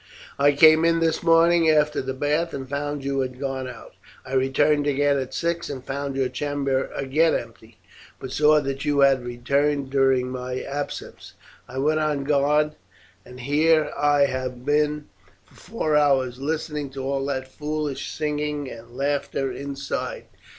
I came in this morning after the bath and found you had gone out. I returned again at six and found your chamber again empty, but saw that you had returned during my absence; I went on guard, and here have I been for four hours listening to all that foolish singing and laughter inside.